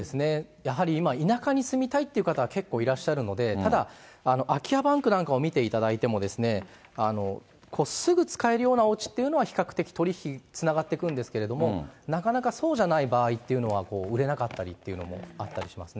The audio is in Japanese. やはり今、田舎に住みたいっていう方は結構いらっしゃるので、ただ、空き家バンクなんかを見ていただいても、すぐ使えるようなおうちというのは、比較的取り引きにつながっていくんですけれども、なかなかそうじゃない場合っていうのは、売れなかったりっていうのもあったりしますね。